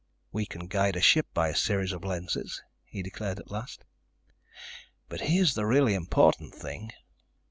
"We can guide a ship by a series of lenses," he declared at last. "But here's the really important thing.